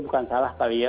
bukan salah sekali ya